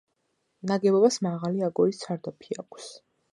ნაგებობას მაღალი, აგურის სარდაფი აქვს.